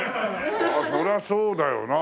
そりゃそうだよな。